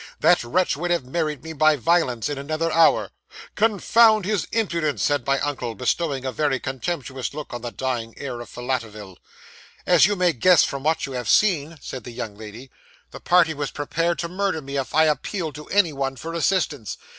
"That wretch would have married me by violence in another hour." '"Confound his impudence!" said my uncle, bestowing a very contemptuous look on the dying heir of Filletoville. '"As you may guess from what you have seen," said the young lady, "the party were prepared to murder me if I appealed to any one for assistance.